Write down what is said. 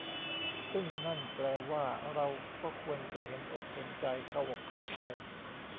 ซึ่งนั่นแปลว่า เราก็ควรจะ เห็นอกเห็นใจ เข้าอกเข้าใจ